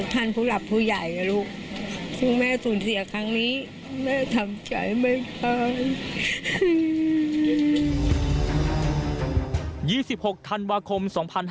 ๒๖ธันวาคม๒๕๖๐